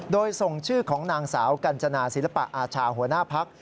โดยส่งชื่อของนางสาวกัญจนาศิลปะอาชาหัวหน้าพัก